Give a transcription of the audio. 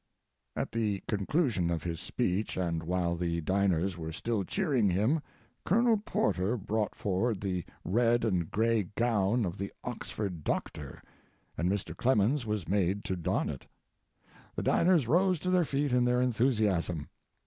[At the conclusion of his speech, and while the diners were still cheering him, Colonel Porter brought forward the red and gray gown of the Oxford "doctor," and Mr. Clemens was made to don it. The diners rose to their feet in their enthusiasm.